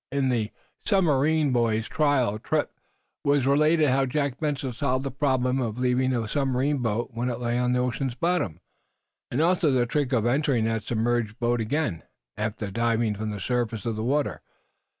In the "The Submarine Boys' Trial Trip" was related how Jack Benson solved the problem of leaving a submarine boat when it lay on the ocean's bottom, and also the trick of entering that submerged boat again, after diving from the surface of the water.